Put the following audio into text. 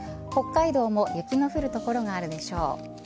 北海道も雪の降る所があるでしょう。